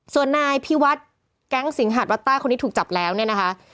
ส่วนนายพิวัฒน์แก๊งสิงหาดวัดใต้คนนี้ถูกจับแล้วเนี่ยนะคะ